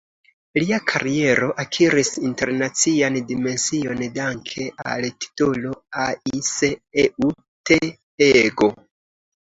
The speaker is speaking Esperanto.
Lia kariero akiris internacian dimension danke al titolo "Ai se eu te pego".